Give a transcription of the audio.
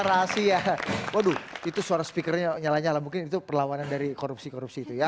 rahasia waduh itu suara speakernya nyala nyala mungkin itu perlawanan dari korupsi korupsi itu ya